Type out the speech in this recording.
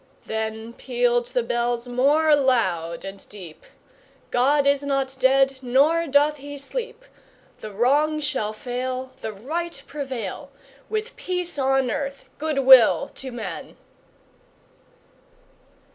Then pealed the bells more loud and deep: "God is not dead; nor doth he sleep! The Wrong shall fail, The Right prevail, With peace on earth, good will to men!"